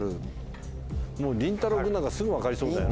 もうりんたろう君なんかすぐ分かりそうだよね。